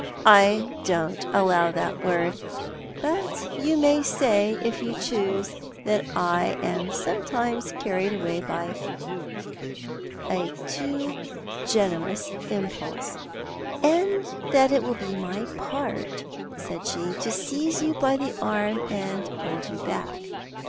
I don't allow that word; but you may say, if you choose, that I am sometimes carried away by a too generous impulse." "And that it will be my part," said she, "to seize you by the arm and hold you back.